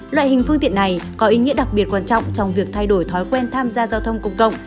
loại hình phương tiện này có ý nghĩa đặc biệt quan trọng trong việc thay đổi thói quen tham gia giao thông công cộng